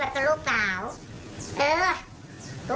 แล้วก็ลูกชายมากกว่าตาละปากเลย